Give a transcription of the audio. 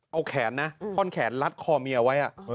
เอาแขนนะท่อนแขนลัดคอเมียไว้